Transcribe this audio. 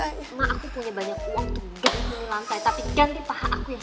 ganti lantai tapi ganti paha aku ya